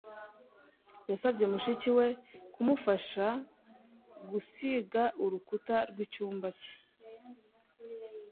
Yasabye mushiki we kumufasha gusiga urukuta rw'icyumba cye.